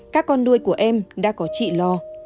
các con nuôi của em đã có chị lo